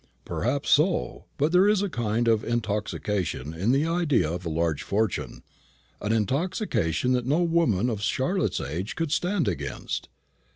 "Perhaps so. But there is a kind of intoxication in the idea of a large fortune an intoxication that no woman of Charlotte's age could stand against.